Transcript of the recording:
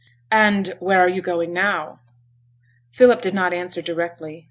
'And where are you going to now?' Philip did not answer directly.